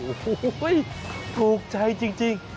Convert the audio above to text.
โอ้โหถูกใจจริง